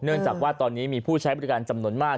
เนื่องจากว่าตอนนี้มีผู้ใช้บริการจำนวนมาก